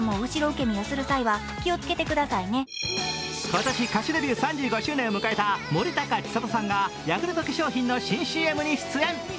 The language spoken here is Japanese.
今年、歌手デビュー３５周年を迎えた森高千里さんがヤクルト化粧品の新ＣＭに出演。